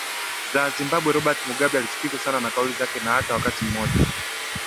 za Zimbabwe Rais Robert Mugabe alichukizwa sana na kauli zake na hata wakati mmoja